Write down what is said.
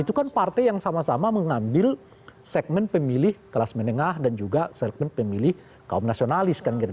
itu kan partai yang sama sama mengambil segmen pemilih kelas menengah dan juga segmen pemilih kaum nasionalis kan gitu